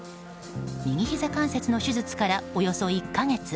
右ひざ関節の手術からおよそ１か月。